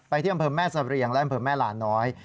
ที่อำเภอแม่เสรียงและอำเภอแม่ลาน้อย